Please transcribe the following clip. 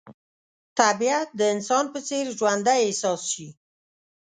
طبیعت د انسان په څېر ژوندی احساس شي.